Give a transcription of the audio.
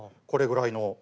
これぐらいの。